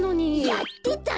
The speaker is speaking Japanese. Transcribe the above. やってたよ！